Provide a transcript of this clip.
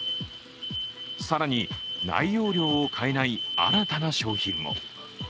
更に、内容量を変えない新たな商品も。